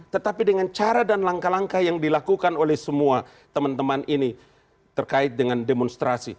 tetapi dengan cara dan langkah langkah yang dilakukan oleh semua teman teman ini terkait dengan demonstrasi